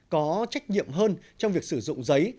có trách nhiệm hơn trong việc sử dụng giấy